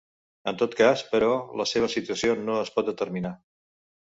En tot cas, però, la seva situació no es pot determinar.